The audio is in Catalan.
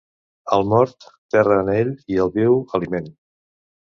Al mort, terra en ell, i al viu, aliment.